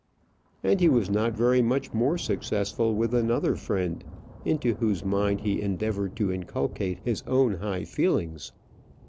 And he was not very much more successful with another friend into whose mind he endeavoured to inculcate his own high feelings.